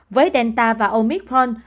với delta và omicron